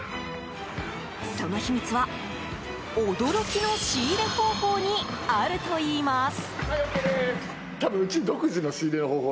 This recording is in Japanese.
その秘密は驚きの仕入れ方法にあるといいます。